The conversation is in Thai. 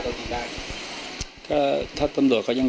ถ้าใครอยากรู้ว่าลุงพลมีโปรแกรมทำอะไรที่ไหนยังไง